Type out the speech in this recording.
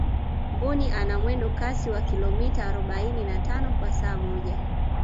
mbuni ana mwendo kasi wa kilomita arobaini na tano kwa saa moja